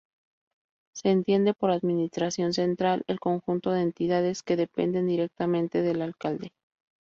Se entiende por Administración Central, el conjunto de entidades que dependen directamente del Alcalde.